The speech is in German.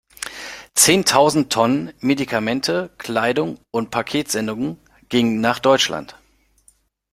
Zehntausend Tonnen Medikamente, Kleidung und Paketsendungen gingen nach Deutschland.